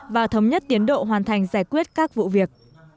và thống nhất tiến độ hoàn thành giải quyết các vụ việc